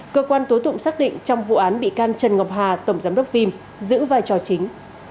cơ quan tố tụng xác định trong vụ án bị can trần ngọc hà tổng giám đốc phim giữ vai trò chính